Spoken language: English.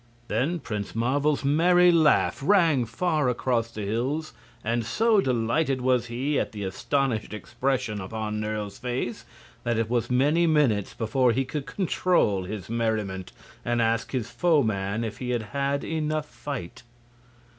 Then Prince Marvel's merry laugh rang far across the hills, and so delighted was he at the astonished expression upon Nerle's face that it was many minutes before he could control his merriment and ask his foeman if he had had enough fight.